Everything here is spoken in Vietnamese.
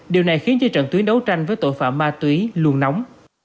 điều này khiến cho trận tuyến đấu tranh với tội phạm ma túy luôn nóng